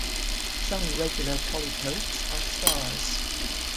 Some regular polytopes are stars.